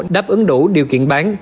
đáp ứng đủ điều kiện bán